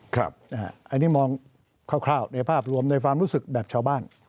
อันนี้มองคร่าวในภาพรวมในความรู้สึกแบบชาวบ้าน